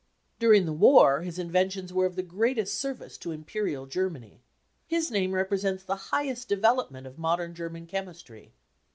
During the war his inventions were | of the greatest service to Imperial Germany. His name V represents the highest development of modern German chemistry.